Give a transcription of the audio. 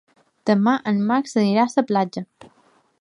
Demà en Max anirà a la platja.